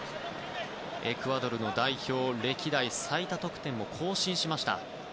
エクアドルの代表歴代最多得点を更新しました。